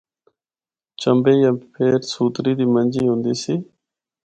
چمبے یا پھر سوتری دی منجی ہوندی سی۔